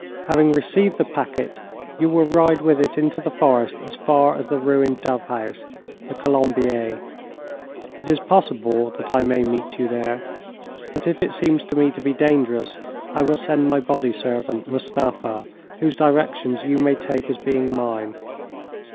'Having received the packet, you will ride with it into the forest as far as the ruined dove house the Colombier. It is possible that I may meet you there but if it seems to me to be dangerous, I will send my body servant, Mustapha, whose directions you may take as being mine.